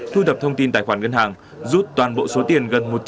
thu thập thông tin tài khoản ngân hàng rút toàn bộ số tiền gần một trăm linh triệu